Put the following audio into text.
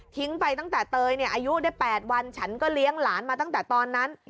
ไปตั้งแต่เตยเนี่ยอายุได้๘วันฉันก็เลี้ยงหลานมาตั้งแต่ตอนนั้น